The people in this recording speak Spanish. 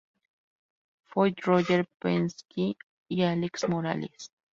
Foyt, Roger Penske y Alex Morales.